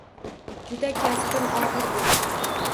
— Juda kasbim og‘ir, — dedi.